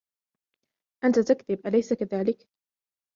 أنت تكذب ، أليس كذلك ؟